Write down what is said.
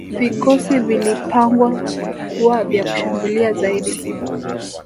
vikosi vilipangwa kuwa vya kushambulia zaidi